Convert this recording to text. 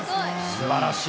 すばらしい。